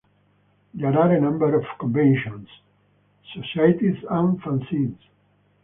There are a number of conventions, societies, and fanzines.